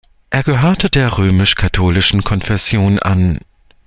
Er gehörte der römisch-katholischen Konfession an.